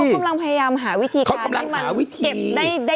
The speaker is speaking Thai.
เขากำลังพยายามหาวิธีการให้มันเก็บได้ดีกว่านั้น